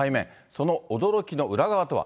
その驚きの裏側とは。